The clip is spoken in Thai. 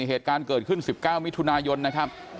เหตุการณ์เกิดขึ้น๑๙มิถุนายนนะครับ